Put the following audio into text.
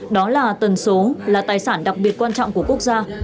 đó là tần số là tài sản đặc biệt quan trọng của quốc gia